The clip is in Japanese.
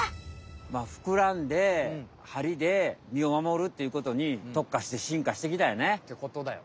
まあふくらんではりで身を守るっていうことにとっかして進化してきたんやね。ってことだよね。